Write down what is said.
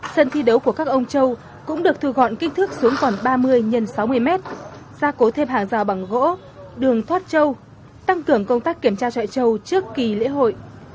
sân thi đấu của các ông trâu cũng được thu gọn kích thước xuống khoảng ba mươi x sáu mươi m ra cố thêm hàng rào bằng gỗ đường thoát trâu tăng cường công tác kiểm tra trại trâu trước kỳ lễ hội